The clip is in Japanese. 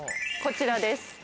こちらです。